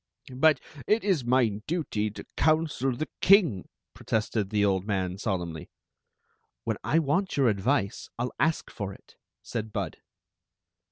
But it is my duty to counsel the king," protested the old man, solemnly. "When I want your advice I '11 ask for it," said Bud.